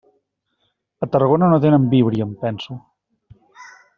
A Tarragona no tenen Víbria, em penso.